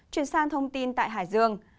chuyển sang thông tin tại hải dương